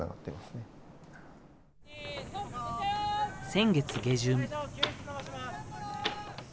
先月下旬。